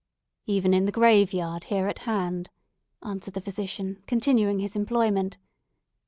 "Even in the graveyard here at hand," answered the physician, continuing his employment.